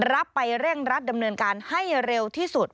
รับไปเร่งรัดดำเนินการให้เร็วที่สุด